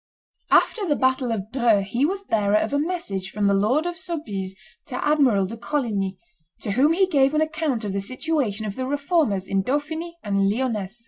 After the battle of Dreux he was bearer of a message from the Lord of Soubise to Admiral de Coligny, to whom he gave an account of the situation of the Reformers in Dauphiny and in Lyonness.